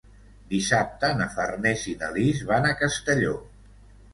Dissabte na Farners i na Lis van a Castelló.